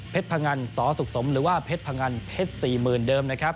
พงันสสุขสมหรือว่าเพชรพงันเพชร๔๐๐๐เดิมนะครับ